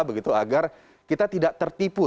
begitu agar kita tidak tertipu